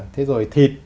thế rồi thịt